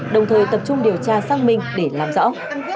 đồng thời tập trung điều tra xác minh để làm rõ